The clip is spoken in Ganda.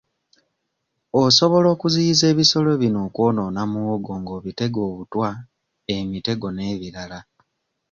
Osobola okuziyiza ebisolo bino okwonoona muwogo ng'obitega obutwa, emitego n'ebirala.